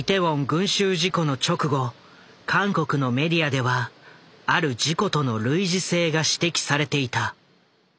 群集事故の直後韓国のメディアではある事故との類似性が指摘されていた。